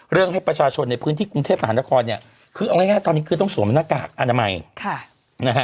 ให้ประชาชนในพื้นที่กรุงเทพมหานครเนี่ยคือเอาง่ายตอนนี้คือต้องสวมหน้ากากอนามัยนะฮะ